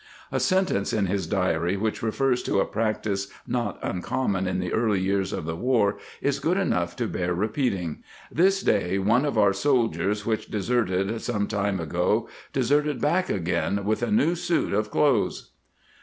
A sen tence in his diary which refers to a practice not uncommon in the early years of the war is good enough to bear repeating: "This day one of our soldiers which deserted some time ago deserted back again with a new suit ofi doaths."'